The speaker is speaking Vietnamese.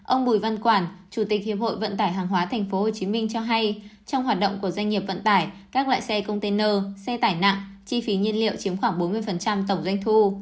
ông bùi văn quản chủ tịch hiệp hội vận tải hàng hóa tp hcm cho hay trong hoạt động của doanh nghiệp vận tải các loại xe container xe tải nặng chi phí nhiên liệu chiếm khoảng bốn mươi tổng doanh thu